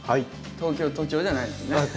東京都庁じゃないですね。